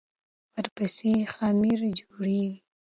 ورپسې خمیر جوړېږي.